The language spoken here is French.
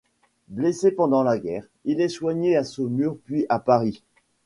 Blessé pendant la guerre, il est soigné à Saumur puis à Paris.